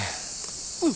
うん。